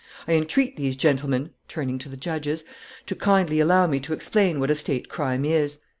I entreat these gentlemen," turning to the judges, "to kindly allow me to explain what a state crime is.